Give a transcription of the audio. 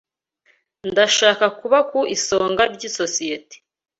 Ndashaka kuba ku isonga ryisosiyete.